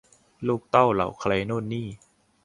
ลูกเต้าเหล่าใครโน่นนี่